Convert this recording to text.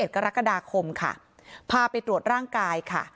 กรกฎาคมค่ะพาไปตรวจร่างกายค่ะ